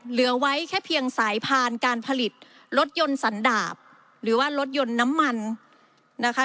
เหลือไว้แค่เพียงสายพานการผลิตรถยนต์สันดาบหรือว่ารถยนต์น้ำมันนะคะ